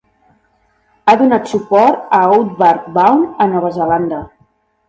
Ha donat suport a Outward Bound a Nova Zelanda.